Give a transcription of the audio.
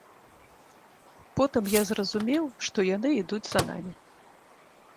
Потым я зразумеў, што яны ідуць за намі.